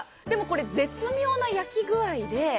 でもこれ、絶妙な焼き具合で。